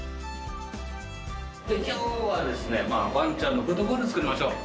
きょうはですね、ワンちゃんのフードボウルを作りましょう。